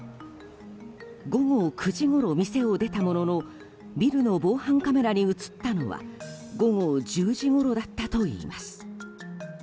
午後９時ごろ店を出たもののビルの防犯カメラに映ったのは午後１０時ごろだったといいます。